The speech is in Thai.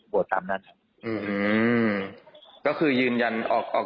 โหวตตามเสียงข้างมาก